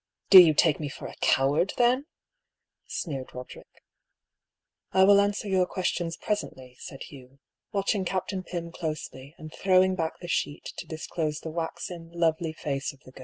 "Do you take me for a coward, then?" sneered Roderick. " I will answer your questions presently," said Hugh, watching Captain Pym closely, and throwing back the sheet to disclose the waxen, lovely face of the girl.